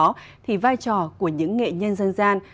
với những nét văn hóa đó thì vai trò của những nghệ nhân dân gian